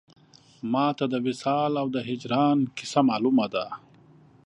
ما ته د وصال او د هجران کیسه مالومه ده